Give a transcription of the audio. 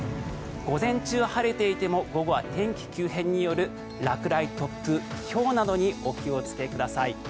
午前中晴れていても午後は天気急変による落雷、突風、ひょうなどにお気をつけください。